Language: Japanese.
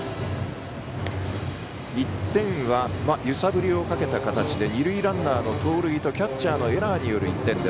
１点は揺さぶりをかけた形で二塁ランナーの盗塁とキャッチャーのエラーによる１点。